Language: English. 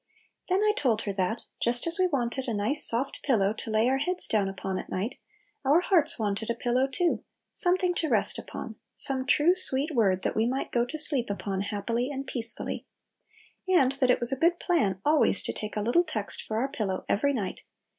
Then I told her that, just as we wanted a nice soft pillow to lay our heads down upon at night, our hearts wanted a pillow too, something to rest upon, some true, sweet word that we might go to sleep upon happily and peacefully. And that it was a good plan always to take a little text for our pillow every night.